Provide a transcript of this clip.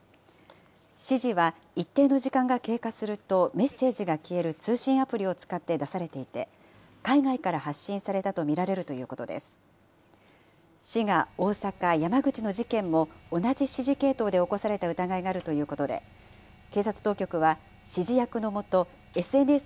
指示は一定の時間が経過するとメッセージが消える通信アプリを使って出されていて、海外から発信されたと見られるということです。